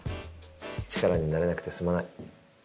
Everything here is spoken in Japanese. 力になれなくてすまない。